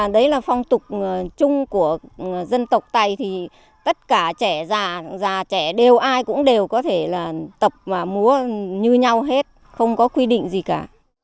đấy là phong tục chung của dân tộc tày thì tất cả trẻ già trẻ đều ai cũng đều có thể là tập và múa như nhau hết không có quy định gì cả